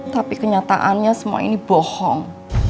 tapi kenyataannya semua ini bohong